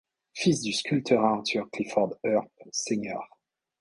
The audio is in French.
Fils du sculpteur Arthur Clifford Earp sr.